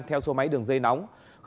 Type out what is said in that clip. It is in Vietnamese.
theo số máy đường dây nóng